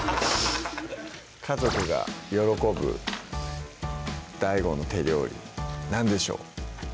家族が喜ぶＤＡＩＧＯの手料理何でしょう？